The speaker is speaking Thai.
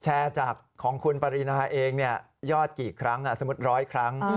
แชร์จากของคุณปรินาเองยอดกี่ครั้งสมมุติ๑๐๐ครั้ง